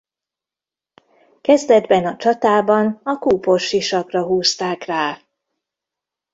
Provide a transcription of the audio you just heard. Kezdetben a csatában a kúpos sisakra húzták rá.